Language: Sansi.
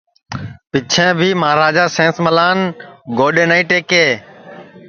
پیچھیں بھی مہاراجا سینس ملان گوڈؔے نائی ٹئکے